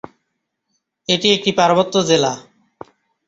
এটি একটি পার্বত্য জেলা।